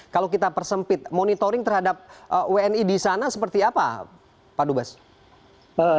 kalau kita persempit monitoring terhadap wni di sana seperti apa pak dubes